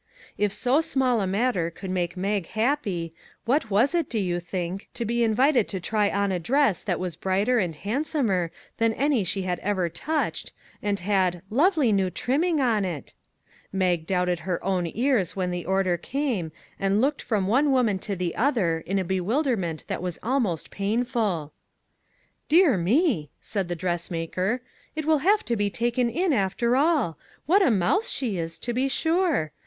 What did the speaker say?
If so small a matter could make Mag happy, what was it, do you think, to be invited to try on a dress that was brighter and handsomer than any she had ever touched, and had " lovely new trimming on it !" Mag doubted her own .ears when the order came, and looked from one woman to the other in a bewilderment that was almost painful. " Dear me !" said the dressmaker, " it will have to be taken in, after all. What a mouse she is, to be sure!